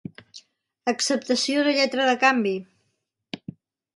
Acceptació de lletra de canvi.